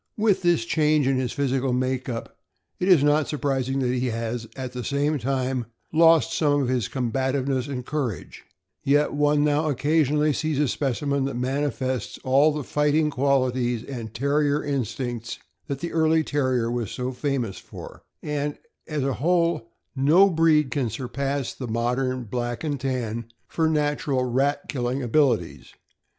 With this change in his physical make up, it is not surprising that he has, at the same time, lost some of his cornbativehess and courage; yet one now occasionally sees a specimen that manifests all the fighting qualities and Terrier instincts that the early Terrier was so famous for, and, as a whole, no breed can surpass the modern Black and Tan for natural rat killing abilities.